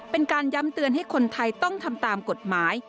เป็นการย้ำเตือนให้คนไทยต้องทำตามกฎหมาย